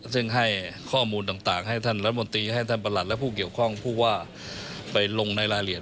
ซึ่งให้ข้อมูลต่างให้ท่านรัฐมนตรีให้ท่านประหลัดและผู้เกี่ยวข้องผู้ว่าไปลงในรายละเอียด